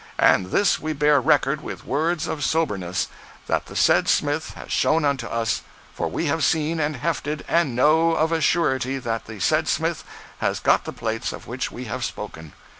And this we bear record with words of soberness, that the said Smith has shown unto us, for we have seen and hefted, and know of a surety that the said Smith has got the plates of which we have spoken.